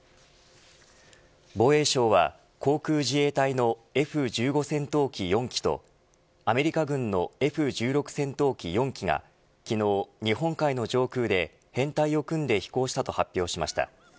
防衛省は航空自衛隊のＦ‐１５戦闘機４機とアメリカ軍のＦ‐１６戦闘機４機が昨日日本海の上空で編隊を組んで飛行したと発表しました。